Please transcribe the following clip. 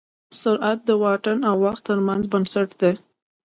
سرعت د واټن او وخت تر منځ نسبت دی.